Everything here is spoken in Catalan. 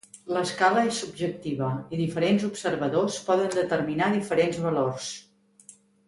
L'escala és subjectiva, i diferents observadors poden determinar diferents valors.